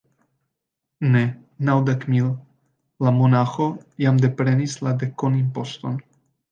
Ne, naŭdek mil: la monaĥo jam deprenis la dekonimposton.